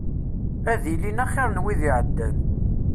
Ad ilin axir n wid iɛeddan.